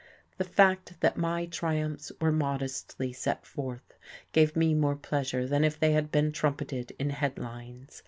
The fact that my triumphs were modestly set forth gave me more pleasure than if they had been trumpeted in headlines.